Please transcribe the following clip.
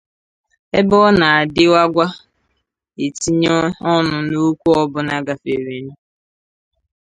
ebe ọ na-adịwaga etinye ọnụ n'okwu ọbụna gafere nu